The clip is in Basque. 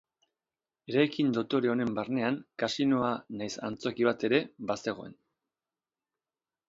Eraikin dotore honen barnean kasinoa nahiz antzoki bat ere bazegoen.